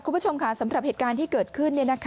คุณผู้ชมค่ะสำหรับเหตุการณ์ที่เกิดขึ้น